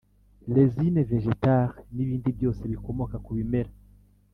Résine végétale n’ibindi byose bikomoka ku bimera